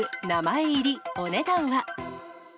名前入り、お値段は。